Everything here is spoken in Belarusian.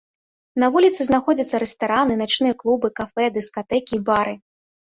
На вуліцы знаходзяцца рэстараны, начныя клубы, кафэ, дыскатэкі і бары.